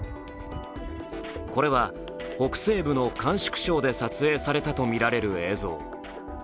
これは北西部の甘粛省で撮影されたとみられる映像。